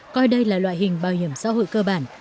coi đây là loại hình bảo hiểm xã hội cơ bản